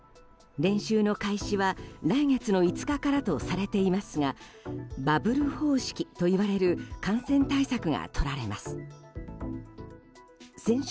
練習の開始は来月の５日からとされていますがバブル方式と呼ばれる感染対策がとられます。